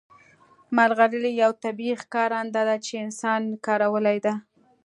ملغلرې یو طبیعي ښکارنده ده چې انسان کارولې ده